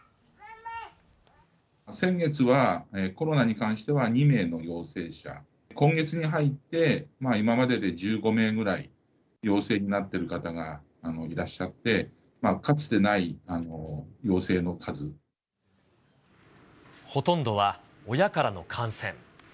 先月はコロナに関しては２名の陽性者、今月に入って今までで１５名ぐらい陽性になってる方がいらっしゃって、ほとんどは親からの感染。